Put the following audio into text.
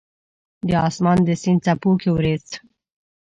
د اسمان د سیند څپو کې اوریځ